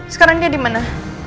sekarangnya di mana